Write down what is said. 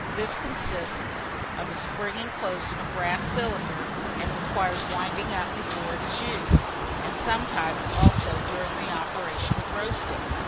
This consists of a spring inclosed in a brass cylinder, and requires winding up before it is used, and sometimes, also, during the operation of roasting.